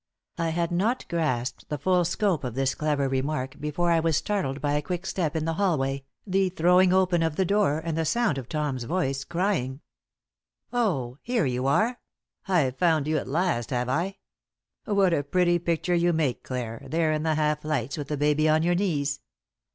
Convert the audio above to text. I had not grasped the full scope of this clever remark, before I was startled by a quick step in the hallway, the throwing open of the door, and the sound of Tom's voice, crying: "Oh, here you are! I've found you at last, have I? What a pretty picture you make, Clare, there in the half lights with the baby on your knees.